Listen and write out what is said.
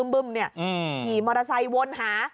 บึ้มเนี่ยหยีมอเตอร์ไซค์วนหา